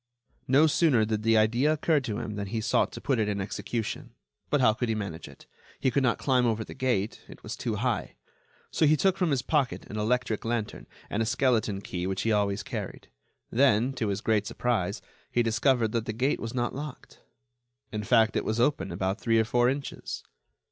No sooner did the idea occur to him than he sought to put it in execution. But how could he manage it? He could not climb over the gate; it was too high. So he took from his pocket an electric lantern and a skeleton key which he always carried. Then, to his great surprise, he discovered that the gate was not locked; in fact, it was open about three or four inches.